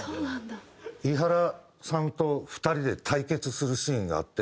伊原さんと２人で対決するシーンがあって。